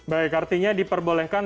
baik artinya diperbolehkan